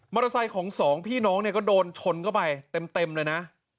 ไซค์ของสองพี่น้องเนี่ยก็โดนชนเข้าไปเต็มเลยนะ